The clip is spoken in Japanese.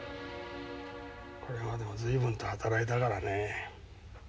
これまでも随分と働いたからね。